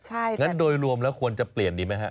งั้นโดยรวมแล้วควรจะเปลี่ยนดีไหมฮะ